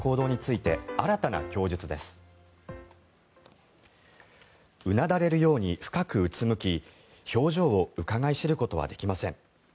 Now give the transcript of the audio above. うなだれるように深くうつむき表情をうかがい知ることはできません。